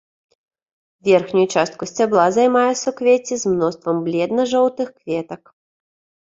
Верхнюю частку сцябла займае суквецце з мноствам бледна-жоўтых кветак.